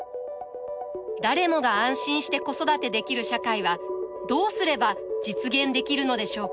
誰もが安心して子育てできる社会はどうすれば実現できるのでしょうか